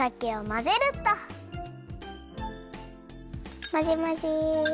まぜまぜ。